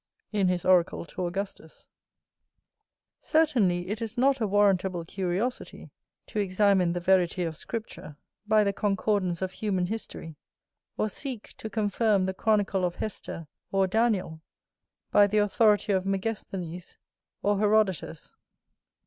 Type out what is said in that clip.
[H] Certainly it is not a warrantable curiosity, to examine the verity of Scripture by the concordance of human history; or seek to confirm the chronicle of Hester or Daniel by the authority of Megasthenes or Herodotus.